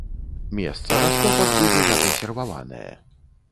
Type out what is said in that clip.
Месца раскопак будзе закансерваванае.